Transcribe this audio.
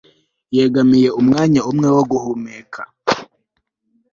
Yegamiye umwanya umwe wo guhumeka